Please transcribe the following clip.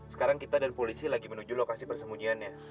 sekarang kita dan polisi lagi menuju lokasi persembunyiannya